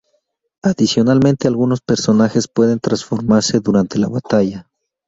Adicionalmente algunos personajes pueden transformarse durante la batalla.